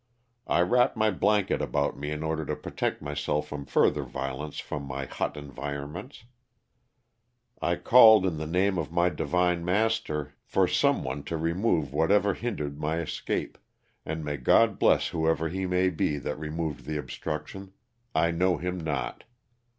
I wrapped my blanket about me in order to protect myself from further violence from my hot en vironments. I called in the name of my Divine Master 230 LOSS OF THE SULTANA. for some one to remove whatever hindered my escape, and may God bless whoever he may be that removed the obstruction — I know him not.